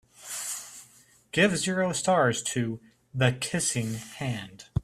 Give zero stars to The Kissing Hand